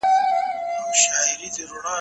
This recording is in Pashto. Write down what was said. سترگې ډېوې زلفې انگار دلته به اوسېږم زه؟